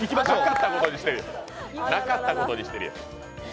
なかったことにしてるやん。